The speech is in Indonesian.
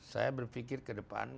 saya berpikir ke depan